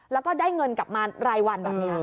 แล้วก็ได้เงินกลับมารายวันแบบนี้